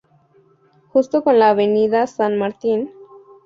Justo con la Avenida San Martín.